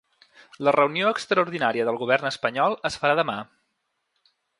La reunió extraordinària del govern espanyol es farà demà.